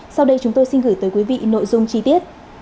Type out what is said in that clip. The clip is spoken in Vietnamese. sau đây chúng tôi xin gửi tới quý vị nội dung chi tiết